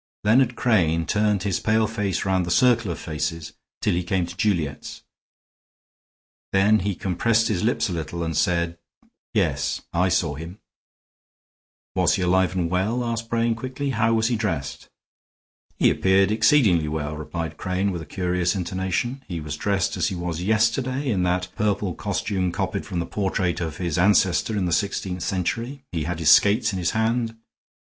Leonard Crane turned his pale face round the circle of faces till he came to Juliet's; then he compressed his lips a little and said: "Yes, I saw him." "Was he alive and well?" asked Brain, quickly. "How was he dressed?" "He appeared exceedingly well," replied Crane, with a curious intonation. "He was dressed as he was yesterday, in that purple costume copied from the portrait of his ancestor in the sixteenth century. He had his skates in his hand."